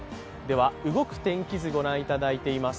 動く天気図を御覧いただいています。